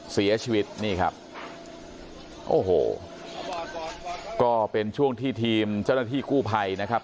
เสียชีวิตนี่ครับโอ้โหก็เป็นช่วงที่ทีมเจ้าหน้าที่กู้ภัยนะครับ